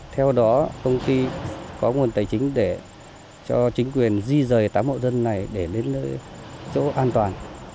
theo đó công ty có nguồn tài chính để cho chính quyền di rời tám hộ dân này để đến nơi chỗ an toàn